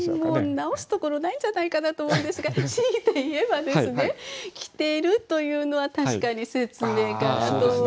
直すところないんじゃないかなと思うんですが強いて言えばですね「着てる」というのは確かに説明かなと思うんですが。